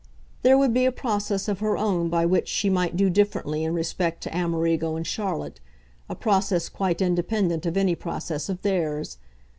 There would be a process of her own by which she might do differently in respect to Amerigo and Charlotte a process quite independent of any process of theirs.